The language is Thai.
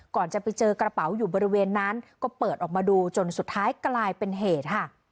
จะไปเจอกระเป๋าอยู่บริเวณนั้นก็เปิดออกมาดูจนสุดท้ายกลายเป็นเหตุค่ะ